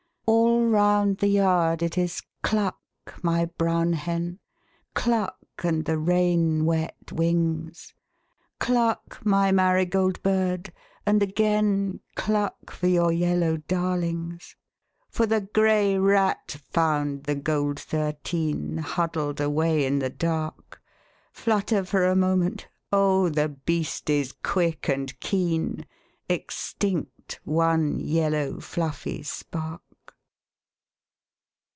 All round the yard it is cluck, my brown hen, Cluck, and the rain wet wings, Cluck, my marigold bird, and again Cluck for your yellow darlings. For the grey rat found the gold thirteen Huddled away in the dark, Flutter for a moment, oh the beast is quick and keen, Extinct one yellow fluffy spark.